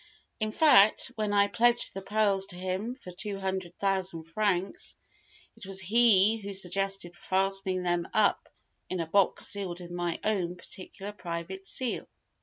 In fact, when I pledged the pearls to him for two hundred thousand francs, it was he who suggested fastening them up in a box sealed with my own particular, private seal."